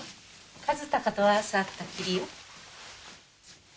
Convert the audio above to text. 和鷹とは朝会ったきりよ。